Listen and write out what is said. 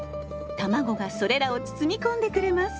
卵がそれらを包み込んでくれます。